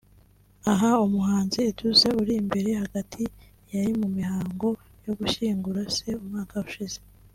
Aha umuhanzi Edouce (uri imbere hagati) yari mu mihango yo gushyingura se umwaka ushize